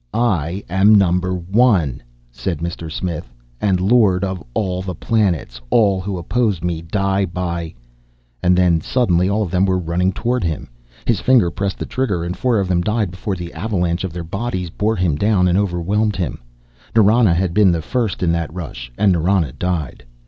"I am Number One," said Mr. Smith, "and Lord of all the planets. All who oppose me, die by " And then, suddenly all of them were running toward him. His finger pressed the trigger and four of them died before the avalanche of their bodies bore him down and overwhelmed him. Nrana had been first in that rush, and Nrana died.